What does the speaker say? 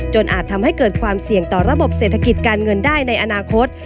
อาจทำให้เกิดความเสี่ยงต่อระบบเศรษฐกิจการเงินได้ในอนาคต